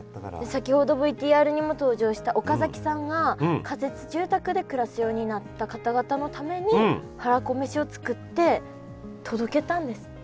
先ほどＶＴＲにも登場した岡崎さんが仮設住宅で暮らすようになった方々のためにはらこめしを作って届けたんですって。